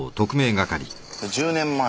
１０年前。